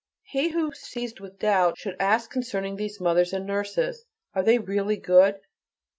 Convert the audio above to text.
He who, seized with doubt, should ask concerning these mothers and nurses: "Are they really good?"